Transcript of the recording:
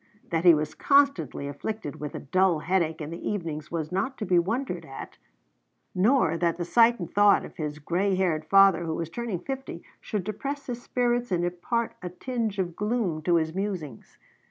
That he was constantly afflicted with a dull headache in the evenings was not to be wondered at; nor that the sight and thought of his gray haired father, who was turned fifty, should depress his spirits and impart a tinge of gloom to his musings.